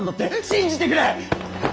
信じてくれ！